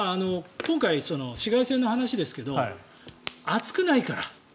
今回、紫外線の話ですけど暑くないから。